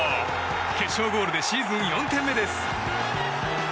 決勝ゴールでシーズン４点目です。